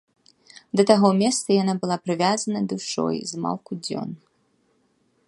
Да таго месца яна была прывязана душой змалку дзён.